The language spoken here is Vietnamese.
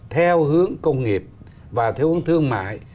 theo hướng công nghiệp và theo hướng thương mại